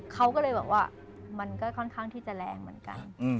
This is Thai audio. เขาก็เลยบอกว่ามันก็ค่อนข้างที่จะแรงเหมือนกัน